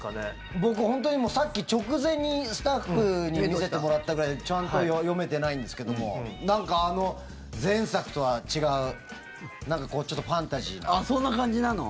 僕、本当にさっき直前にスタッフに見せてもらったぐらいでちゃんと読めてないんですけどもなんか、あの前作とは違うあ、そんな感じなの？